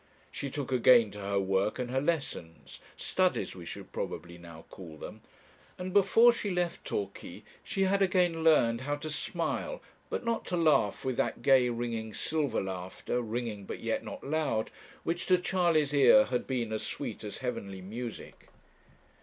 She took again to her work and her lessons studies we should probably now call them and before she left Torquay, she had again learned how to smile; but not to laugh with that gay ringing silver laughter, ringing, but yet not loud, which to Charley's ear had been as sweet as heavenly music.